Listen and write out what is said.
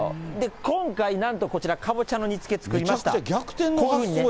今回、なんとこちら、かぼちゃの煮つけ作りました。